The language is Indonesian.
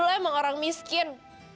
saya dulu memang orang miskin